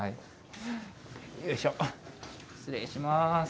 よいしょ、失礼します。